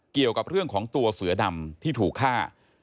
เกี่ยวกับเรื่องของตัวเสือดำที่ถูกฆ่า